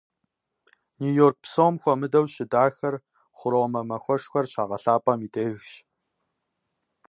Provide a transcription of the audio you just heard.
Нью-Йорк псом хуэмыдэу щыдахэр Хъуромэ махуэшхуэр щагъэлъапӀэм и дежщ.